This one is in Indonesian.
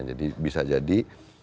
jadi bisa jadi